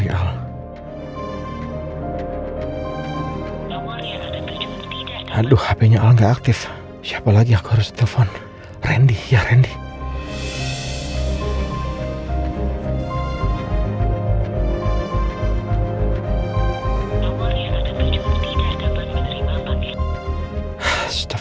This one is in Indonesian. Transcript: ini tandanya kalau jatuh cinta